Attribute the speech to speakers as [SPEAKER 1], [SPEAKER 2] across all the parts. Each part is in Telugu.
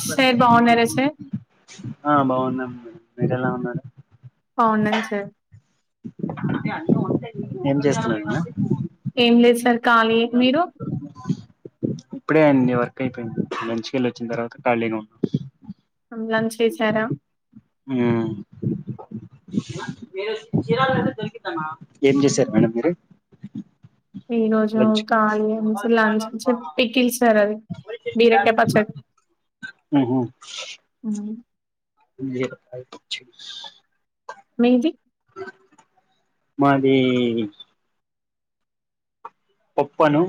[SPEAKER 1] సార్ బాగున్నారా సార్
[SPEAKER 2] ఆ బాగునం మేడమ్. మీర్ ఎలా ఉన్నారు
[SPEAKER 1] బావున్నాను సార్
[SPEAKER 2] ఏం చేస్తున్నారు మేడమ్
[SPEAKER 1] ఏం లేద్ సార్ కలియే మీరు
[SPEAKER 2] ఎ వర్క్ అయిపోయింది లంచ్కెల్ వచ్చిన తర్వాత ఖళీనే ఉన్నాం
[SPEAKER 1] లంచ్ చేసారా
[SPEAKER 2] ఉమ్ ఏం చేశారు మేడం మీరు
[SPEAKER 1] ఈ రోజు
[SPEAKER 2] లంచ్
[SPEAKER 1] కలియే లంచంచి పకిల్ సార్ అది బెరకై పచ్చ
[SPEAKER 2] ఉహు
[SPEAKER 1] మ్మ్.
[SPEAKER 2] బీరకాయ పచ్చడి
[SPEAKER 1] మిది
[SPEAKER 2] మాదీ పోప్పను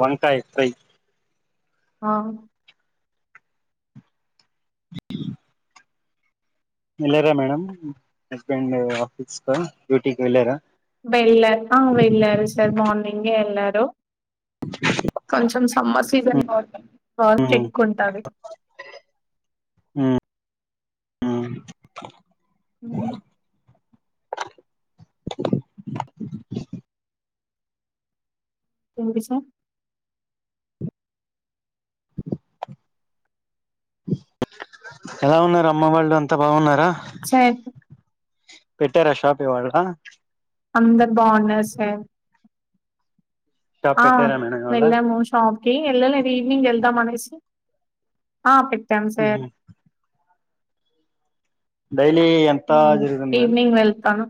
[SPEAKER 2] వంకాయ్ ఫ్రై
[SPEAKER 1] ఆ
[SPEAKER 2] ఎల్లరా మేడమ్ హస్బెండ్ ఆఫీస్క డ్యూటీక్ వెళ్ళారా
[SPEAKER 1] వెళ్ళర్ ఆ వెళ్ళారు సార్ మార్నింగ్ ఎళ్లారు కొంచెం సమ్మర్ సీజన్ కాబ వర్క్
[SPEAKER 2] ఉమ్
[SPEAKER 1] ఏకువ ఉంటది
[SPEAKER 2] ఆ
[SPEAKER 1] అ ఏంటి సార్
[SPEAKER 2] ఎలా ఉన్నారు అమ్మ వాళ్ళు అంతా బాగున్నారా
[SPEAKER 1] సర
[SPEAKER 2] పెట్టార షాప్ ఇవాలా
[SPEAKER 1] అందరు బాగున్నారు సార్
[SPEAKER 2] షాప్
[SPEAKER 1] ఆ
[SPEAKER 2] పెట్టారా మేడం ఇవాళ
[SPEAKER 1] వెళ్ళాము షాప్కి ఏళ్ల ఈవినింగ్ వెళ్దాం అనేసి ఆ పెట్టం సార్
[SPEAKER 2] ఉహు డైలీ ఎంత
[SPEAKER 1] మ్మ్.
[SPEAKER 2] జరుగుతుంది మ్యామ్
[SPEAKER 1] ఈవినింగ్ వెళ్తాను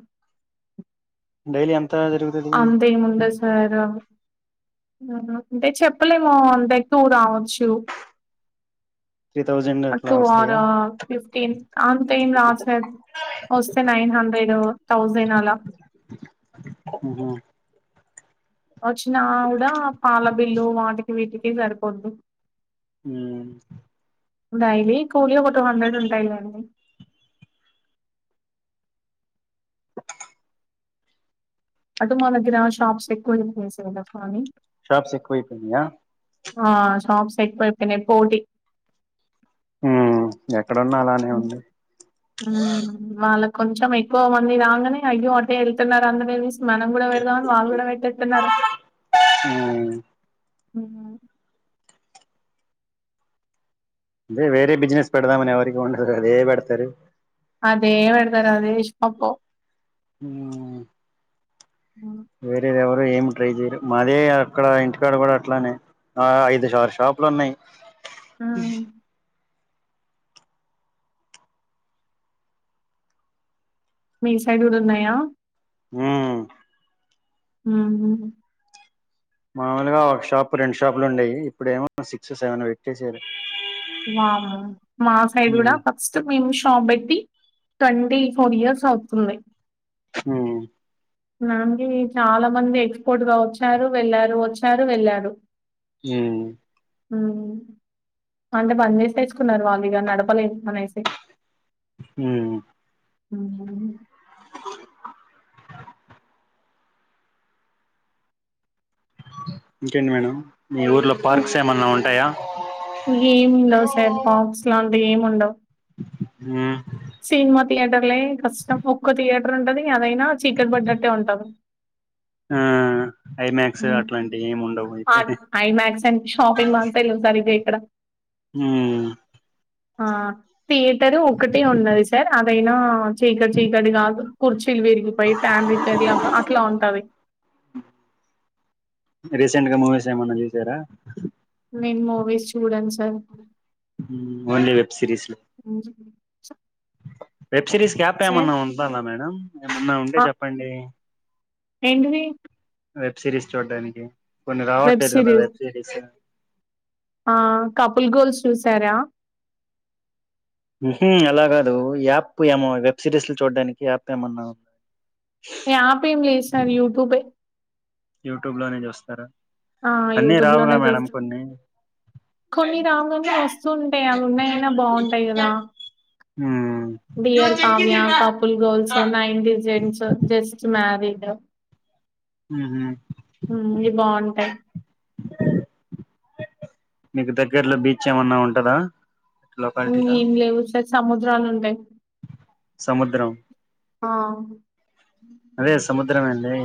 [SPEAKER 2] ఎంత జరుగుతుంది
[SPEAKER 1] అంతేముందండు సార్ అంటే చెప్పలేముో అంతకువా రావచ్చు
[SPEAKER 2] three thousand
[SPEAKER 1] two or fifteen అంతేఏమి రాదు సార్ వస్తే నైన్ హండ్రెడ్ థౌజండ్ అలా
[SPEAKER 2] ఆహా
[SPEAKER 1] వచ్చిన కూడా పాల బిల్లు వాటికి వీటికి సరిపోద్దు
[SPEAKER 2] హ్మ్మ్
[SPEAKER 1] డైలీ కూలి ఒక టూ హండ్రెడ్ ఉంటాలేయిండి అటు మానగషాప్స్ ఎక్కువ ఫసస్వాని
[SPEAKER 2] షాప్స్ ఏకువ అయిపోయినాయా
[SPEAKER 1] ఆ షాప్స్ ఏకువ అయిపోనాయీ పోటి
[SPEAKER 2] హ్మ్మ్
[SPEAKER 1] హ్మ్మ్ వాల కొంచెం ఎక్కువ మంది రాగానే అయ్యో అటే వెళ్తున్నారు అందరూ అదే తీసుకున్నారు. మనం కూడా వెళ్దాం వాళ్ళ కూడా వెళ్తున్నారు
[SPEAKER 2] ఉమ్ అదే వేరే బిజినెస్ పెడదామనివరి అదే పెడతారు
[SPEAKER 1] అదే వేడుతారు అదే ఇష్
[SPEAKER 2] ఆ వేరేది ఎవరు ఏమి ట్రై చేయ్యరు మాదే అక్కడ ఇంటికాడ కూడా అట్లానే ఆ ఐదు సార్ షాపులు ఉన్నాయి.
[SPEAKER 1] హ్మ్ మీ సైడ్ కూడా ఉన్నాయా.
[SPEAKER 2] ఉమ్
[SPEAKER 1] హ
[SPEAKER 2] మామూలుగా ఒక షాప్ రెండు షాపులు ఉండేయి ఇప్పుడేమో సిక్స్ సెవెన్ పెట్టేశారు
[SPEAKER 1] మా సైడ్ కూడా
[SPEAKER 2] ఉమ్
[SPEAKER 1] ఫస్ట్ మేము షాప్ పెట్టి ట్వంటీ ఫోర్ ఇయర్స్ అవుతుంది
[SPEAKER 2] ఉమ్
[SPEAKER 1] చాలా మంది ఎక్స్పోర్టుగా వచ్చారు వెళ్లారు వచ్చారు వెళ్ళారు.
[SPEAKER 2] ఉమ్
[SPEAKER 1] అంటే పని చేసి తెచ్చుకున్నారు. వాళ్ళు ఇగా నడపలేము అనేసి.
[SPEAKER 2] ఉమ్
[SPEAKER 1] ఉమ్ హు
[SPEAKER 2] [inaudible] ఇంకేంటి మేడం మీ ఊర్లో పార్క్స్ ఏమన్నా ఉంటాయా
[SPEAKER 1] ఏముండవు పార్క్స్ లాంటివి ఏం ఉండవు
[SPEAKER 2] ఉం
[SPEAKER 1] సినిమా థియేటర్లే కష్టం ఒక్క థియేటర్ ఉంటది అదైనా చీకటి పడ్డట్టే ఉంటది
[SPEAKER 2] ఆఆ.
[SPEAKER 1] ఊహూ art IMAX and shopping మాల్సె లేవు సరిగా ఇక్కడ.
[SPEAKER 2] ఉమ్మ్.
[SPEAKER 1] ఆ థియేటరు ఒకటే ఉన్నది సార్, అదైనా చీకటి చీకటి గా కూర్చ్. టిల్ విర్గిపోయి, ఫ్యాన్ రిపేర్ లాగా అట్లా ఉంటది.
[SPEAKER 2] రీసెంట్ గా మూవీస్ ఏమన్నా జూసారా.?
[SPEAKER 1] నేను మూవీస్ చూడాన్ సార్. !
[SPEAKER 2] ఊ ఓన్లీ వెబ్ సిరీస్లు.
[SPEAKER 1] హ్మ్.
[SPEAKER 2] వెబ్ సిరీస్ క్యాప్
[SPEAKER 1] సార్
[SPEAKER 2] ఏమన్నా ఉందాలా మేడం. ఏమన్నా ఉంటే
[SPEAKER 1] ఆ!
[SPEAKER 2] జెప్పండి.
[SPEAKER 1] ఏంటిది.?
[SPEAKER 2] వెబ్ సిరీస్ చూడానికి. కొన్ని రావట్లేదు గదా, వెబ్ సిరీస్.
[SPEAKER 1] ఆ కపుల్ గోల్స్ చూసారా.? !
[SPEAKER 2] ఊహ్ అలాగాదు యాప్ ఏమో వెబ్ సిరీస్ లు చూడ్డానికి యాప్ ఏమన్నా. !
[SPEAKER 1] యాప్ ఏం లేదు సార్ యూట్యూబె.
[SPEAKER 2] యూట్యూబ్ లోనే జూస్తారా.
[SPEAKER 1] ఆ! !
[SPEAKER 2] అన్ని రావుగా
[SPEAKER 1] యూట్యూబ్‌లోనే
[SPEAKER 2] మేడం
[SPEAKER 1] చూస్తాం.
[SPEAKER 2] కొన్ని.?
[SPEAKER 1] కొన్ని రావు గాని, వస్తూ ఉంటాయి అవున్నాయైనా బాంటాయి గదా.
[SPEAKER 2] ఉమ్ !
[SPEAKER 1] Dear Kavya, couple goals, nineties జెన్జూ, just married.
[SPEAKER 2] ఉహు
[SPEAKER 1] ఊ ఇవి బాంటాయి.
[SPEAKER 2] మీకు దగ్గర్లో బీచ్ ఏవన్నా ఉంటదా.? !
[SPEAKER 1] ఊ ఏంలేవు సార్ సముద్రాలుంటాయి.
[SPEAKER 2] సముద్రం.
[SPEAKER 1] ఆ.
[SPEAKER 2] ద్రమెల్లి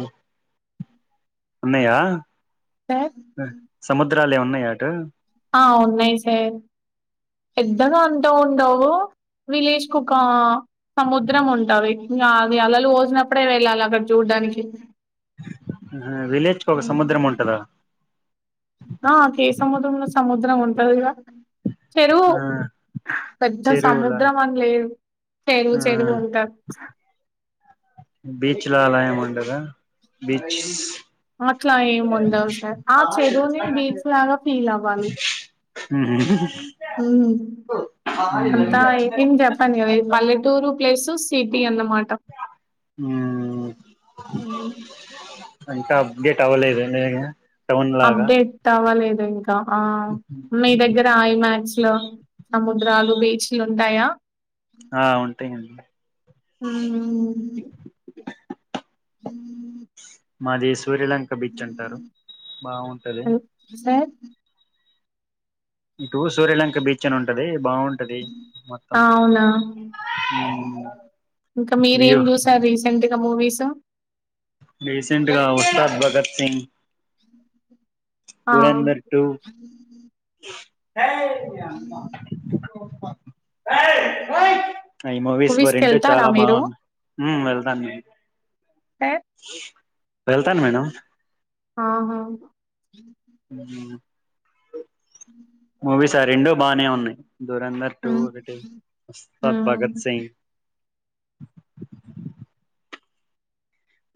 [SPEAKER 2] ఉన్నాయా.? !
[SPEAKER 1] సార్.
[SPEAKER 2] ద్రాలున్నాయా అటు.? !
[SPEAKER 1] ఆ ఉన్నాయి సార్. పెద్దగా అంతా ఉండవు విలేజ్ కొకా. సముద్రం ఉంటవి. ఇగా అవి అలలు పోసినప్పుడే వెళ్ళాలి అక్కడ చూడ్డానికి.
[SPEAKER 2] అహా విలేజ్ కొక
[SPEAKER 1] హ్మ్.
[SPEAKER 2] సముద్రం ఉంటదా. !?
[SPEAKER 1] ఆ కే సముద్రంలో సముద్రం ఉంటదిగా. ! చెరువు.
[SPEAKER 2] ఆ
[SPEAKER 1] పెద్ద
[SPEAKER 2] చెరువులా
[SPEAKER 1] సముద్రం అన్ లేదు చెరువు,
[SPEAKER 2] ఆ
[SPEAKER 1] చెరువె ఉంటా.
[SPEAKER 2] బీచ్ లా అల ఏం ఉండదా.? బీచ్.
[SPEAKER 1] అట్లా ఏం ఉండవ్ సార్,. ఆ చెరువుని బీచ్ లాగా ఫీల్ అవ్వాలి. హ్మ్.
[SPEAKER 2] ఊహ్మ్.
[SPEAKER 1] అంతా ఏం జెప్పనీయలె పల్లెటూరు ప్లేస్. టూ సిటీ అన్నమాట ఊ.
[SPEAKER 2] అంత అప్డేట్ అవలేదండి నేను.
[SPEAKER 1] అప్డే టవ్వలేద ఇంకా. ఆహా. ! మీ దగ్గర ఐమాక్స్లు, సముద్రాలు, బీచ్లు ఉంటాయా.?
[SPEAKER 2] ఆ ఉంటాయండి
[SPEAKER 1] హామ్మ్మ్.
[SPEAKER 2] మాది సూర్యలంక బీచ్ అంటారు బావుంటది.
[SPEAKER 1] సార్
[SPEAKER 2] ఇటు సూర్యలంక బీచ్ అనుంటది బావుంటది మొత్తం.
[SPEAKER 1] ఆ! అవునా ఇంకా మీరేం
[SPEAKER 2] వ్యూ
[SPEAKER 1] జూసారీసెంటుగా మూవీస్.? !
[SPEAKER 2] రీసెంట్ గా ఉస్తాద్ భగత్ సింగ్.
[SPEAKER 1] ఆ
[SPEAKER 2] దూరెంధర్ టూ.
[SPEAKER 1] హ
[SPEAKER 2] ఆ ఈ మూవీస్ వా
[SPEAKER 1] కి
[SPEAKER 2] రెండు
[SPEAKER 1] వెళ్తారా
[SPEAKER 2] చాలా
[SPEAKER 1] మీరు
[SPEAKER 2] బాగున్నా. ఊ వెళ్దానేను‌.
[SPEAKER 1] తే.
[SPEAKER 2] వెళ్తాన్ మేడం.
[SPEAKER 1] ఆహా
[SPEAKER 2] ఉమ్
[SPEAKER 1] ఉమ్
[SPEAKER 2] రెండో బాగానే ఉన్నాయి దూరంధర్ టూ
[SPEAKER 1] ఉమ్
[SPEAKER 2] ఒకటి స్టార్
[SPEAKER 1] ఉమ్
[SPEAKER 2] భగత్ సింగ్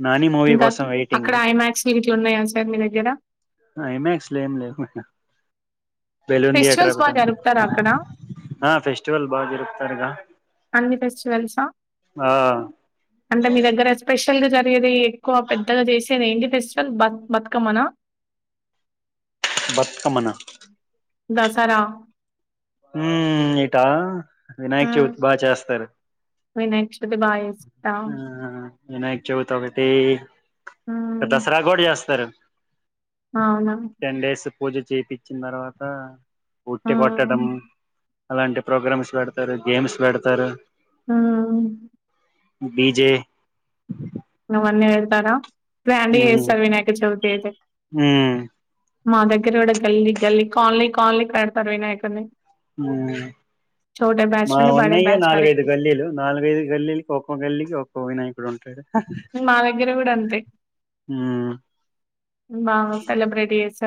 [SPEAKER 2] నాని మూవీ
[SPEAKER 1] ఇంకా
[SPEAKER 2] కోసం
[SPEAKER 1] అక్కడ
[SPEAKER 2] వెయిటింగ్
[SPEAKER 1] ఐమాక్స్ గిట్లు ఉన్నాయా సార్ మీ దగ్గర
[SPEAKER 2] ఐమక్స్ లేం లే బెలూన్ థియేటర్
[SPEAKER 1] ఫెస్టివల్స్
[SPEAKER 2] ఒకటి
[SPEAKER 1] బాగా
[SPEAKER 2] ఉంది
[SPEAKER 1] జరుపుతారా అక్కడ
[SPEAKER 2] ఆ ఫెస్టివల్ బా జరుపుతారుగా
[SPEAKER 1] అన్ని ఫెస్టివల్సా
[SPEAKER 2] ఆ
[SPEAKER 1] అంటే మీ దగ్గర స్పెషల్ గా జరిగేది ఎక్కువ పెద్దగా చేసేది ఏంటి ఫెస్టివల్ బ బతుకమ్మనా
[SPEAKER 2] బతుకమ్మనా
[SPEAKER 1] దసరా
[SPEAKER 2] హ్మ్ ఇటా వినాయక్
[SPEAKER 1] హ్మ్
[SPEAKER 2] చవితి బాగా చేస్తారు
[SPEAKER 1] వినాయక చవితి బాగా చేస్తాం
[SPEAKER 2] ఆ వినాయక ఒకటి
[SPEAKER 1] హ్మ్
[SPEAKER 2] దసరా గోడ చేస్తారు
[SPEAKER 1] అవునా
[SPEAKER 2] టెన్ డేస్ పూజ చేపిచ్చిన తర్వాత ఉట్టి
[SPEAKER 1] హ్మ్
[SPEAKER 2] కొట్టడం అలాంటి ప్రోగ్రామ్స్ పెడతారు గేమ్స్ పెడతారు
[SPEAKER 1] ఆ
[SPEAKER 2] బీజే
[SPEAKER 1] న్న వెళ్తారా గ్రాండ్గా
[SPEAKER 2] మ్మ్
[SPEAKER 1] చేస్తారు వినాయక చవితి అయితే
[SPEAKER 2] మ్మ్
[SPEAKER 1] మా దగ్గర కూడా గల్లీ గల్లీ కాలలీ కాలలీ క పెడతారు వినాయకడిని
[SPEAKER 2] హామ్
[SPEAKER 1] బ్యాచ్
[SPEAKER 2] మా
[SPEAKER 1] నుండి బడే
[SPEAKER 2] ఉన్నయ
[SPEAKER 1] బ్యాచ్ వరకి
[SPEAKER 2] నాలుగైదు గల్లీలు నాలుగైదు గల్లీలకి ఒక్కొ గల్లీకి ఒక్కొ వినాయకుడు ఉంటాడు
[SPEAKER 1] మా దగ్గర కూడా అంతే
[SPEAKER 2] మ్మ్
[SPEAKER 1] బాగా సెలబ్రేట్ చేసి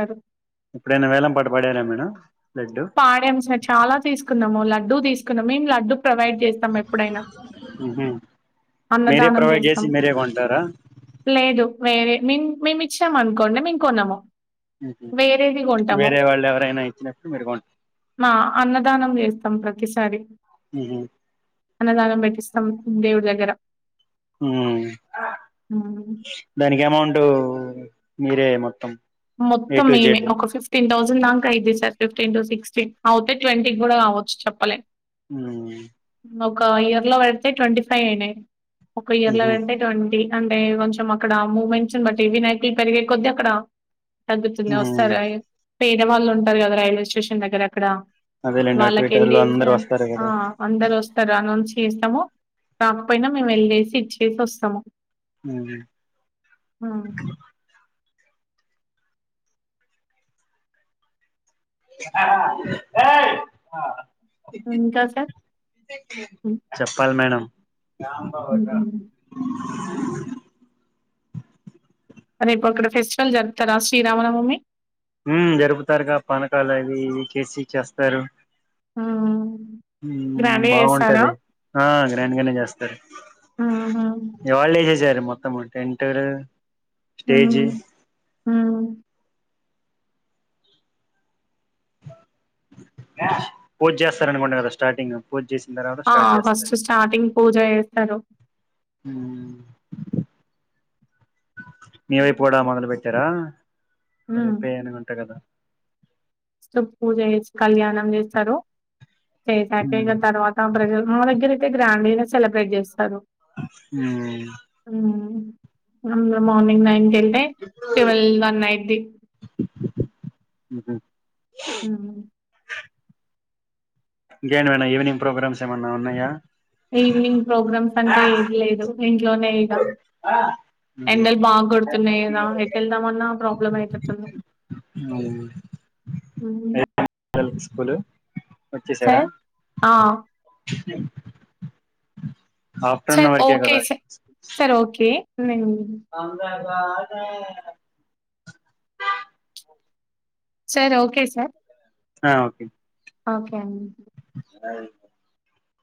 [SPEAKER 2] ఎప్పుడైనా వేలం పాట పాడారా మేడం లడ్డు
[SPEAKER 1] పాడంస చాలా తీసుకున్నాము లా డు తీసుకున్నాం మేం లడ్డు ప్రొవైడ్ చేస్తాము ఎప్పుడైనా
[SPEAKER 2] మ్మ్ హు
[SPEAKER 1] అన్నదానం చేస్తం
[SPEAKER 2] దర
[SPEAKER 1] వేరే మేం మేము ఇచ్చాం అనుకోండి మేం కొనము
[SPEAKER 2] ఉహు
[SPEAKER 1] వేరేది కొంటాము
[SPEAKER 2] వేరే వాళ్ళు ఎవరైనా ఇచ్చినట్టు మీరు గొం
[SPEAKER 1] మా అన్నదానం చేస్తాం ప్రతిసారి
[SPEAKER 2] ఉహు
[SPEAKER 1] అన్నదానం పెట్టిస్తం దేవుడి దగ్గర
[SPEAKER 2] హూం
[SPEAKER 1] హ్మ్.
[SPEAKER 2] దానికి అమౌంట్ మీరే మొత్తం ఏ
[SPEAKER 1] మొత్తం
[SPEAKER 2] టు
[SPEAKER 1] మేమే
[SPEAKER 2] జెడ్
[SPEAKER 1] ఒక ఫిఫ్టీన్ థౌసం ఉన్నాంక అయిద్ది సార్ ఫిఫ్టీన్ టు సిక్స్టీన్ అవుతే ట్వంటీకి కూడా అవచ్చు చెప్పలేం
[SPEAKER 2] ఉమ్
[SPEAKER 1] ఒక ఇయర్ లో పెడితే ట్వంటీ ఫైవ్ అయినాయి ఒక ఇయర్ లో
[SPEAKER 2] హు
[SPEAKER 1] పెడితే ట్వంటీ అంటే కొంచెం అక్కడ మూమెంట్స్ ని బట్టి ఈ వినాయకులు పెరిగే కొద్ది అక్కడ తగ్గుతుంది
[SPEAKER 2] ఉమ్
[SPEAKER 1] వస్తారు పేదేవాళ్ళు ఉంటారు కదా రైల్వే స్టేషన్ దగ్గర అక్కడ
[SPEAKER 2] అదేలేండి అటు
[SPEAKER 1] వాళ్ళకి
[SPEAKER 2] ఇటోళ్ళు
[SPEAKER 1] వెళ్ళేసి
[SPEAKER 2] అందరు వస్తారు
[SPEAKER 1] ఆ
[SPEAKER 2] కదా
[SPEAKER 1] అందరు వస్తారు అనుంచి చేస్తము కాకపోయినా మేము వెళ్ళేసి ఇచ్చేసి వస్తము
[SPEAKER 2] ఉహు
[SPEAKER 1] హ్మ్.
[SPEAKER 2] ఏ
[SPEAKER 1] ఇంకా సార్ హ్మ్.
[SPEAKER 2] [unintelligible] చెప్పాలి మేడం
[SPEAKER 1] హ్మ్.
[SPEAKER 2] ఉమ్
[SPEAKER 1] రేపు అక్కడ ఫెస్టివల్ జరుపుతారా శ్రీరామనవమి
[SPEAKER 2] ఊ జరుపుతారుగా పానకాలు అవి ఇవి చేసి చేస్తారు
[SPEAKER 1] ఆ
[SPEAKER 2] మ్మ్ బాగుంటది ఆ గ్రాండ్గానే చేస్తారు
[SPEAKER 1] హుహు.
[SPEAKER 2] ఇవాళ్ళ ఏసేసారు మొత్తం టెంటు
[SPEAKER 1] ఆ ఆ
[SPEAKER 2] పూజ చేస్తారనుకుంట కదా స్టార్టింగ్ పూజ చేసి
[SPEAKER 1] ఆ ఫస్ట్ స్టార్టింగ్ పూజ చేస్తారు
[SPEAKER 2] మ్మ్ మీ వైపు కూడా మొదలు పెట్టారా రేపే అనుకుంట కదా
[SPEAKER 1] స్ట్ పూజ చేసి కళ్యాణం చేస్తారు చేసాకే
[SPEAKER 2] ఉమ్
[SPEAKER 1] ఇగ తర్వాత ప్రజలు మా దగ్గర అయితే గ్రాండ్ గే సెలబ్రేట్ చేస్తారు
[SPEAKER 2] హ్మ్
[SPEAKER 1] అందరం మార్నింగ్ నైన్ కి ఎళ్తే ట్వెల్వ్ వన్ అయిద్ది
[SPEAKER 2] హ్మ్ హు
[SPEAKER 1] మ్మ్
[SPEAKER 2] ఇంకేంటి మల్లా ఈవినింగ్ ప్రోగ్రామ్స్ ఏమైన్నా ఉన్నాయా
[SPEAKER 1] ఈవినింగ్ ప్రోగ్రామ్స్ అంటూ ఏటి లేదు ఇంట్లోనే ఇగ ఎండలు బాగా కొడుతున్నాయి కదా ఎటు వెళ్దామన్నా ప్రాబ్లమ్ అయిపోతుంది
[SPEAKER 2] అవును
[SPEAKER 1] హ్మ్
[SPEAKER 2] [unintelligible] స్కూలు వచ్చేసారా
[SPEAKER 1] సార్ ఆ!
[SPEAKER 2] ఆఫ్టర్నూన్ వరకే కదా స్కూల్
[SPEAKER 1] సరే ఓకే నేను
[SPEAKER 2] అ ఆ [unintelligible]
[SPEAKER 1] సర్ ఓకే సార్
[SPEAKER 2] ఆ ఓకే
[SPEAKER 1] ఓకే అండి
[SPEAKER 2] బాయ్